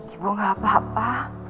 ibu gak apa apa